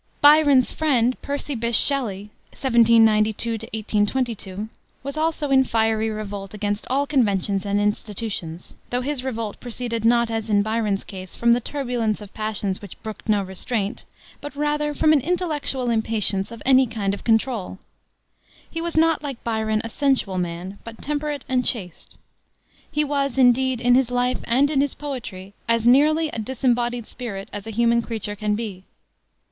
Byron's friend, Percy Bysshe Shelley (1792 1822), was also in fiery revolt against all conventions and institutions, though his revolt proceeded not, as in Byron's case, from the turbulence of passions which brooked no restraint, but rather from an intellectual impatience of any kind of control. He was not, like Byron, a sensual man, but temperate and chaste. He was, indeed, in his life and in his poetry, as nearly a disembodied spirit as a human creature can be.